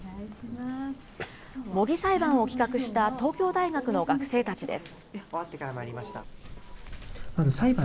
模擬裁判を企画した東京大学の学生たちです。